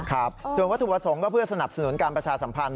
ครับส่วนวัตถุประสงค์ก็เพื่อสนับสนุนการประชาสัมพันธ